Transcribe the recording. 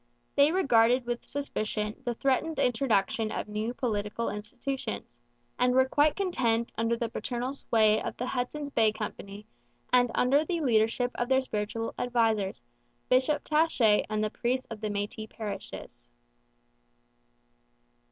They regarded with suspicion the threatened introduction of new political institutions, and were quite content under the paternal sway of the Hudson's Bay Company and under the leadership of their spiritual advisers, Bishop Taché and the priests of the Métis parishes.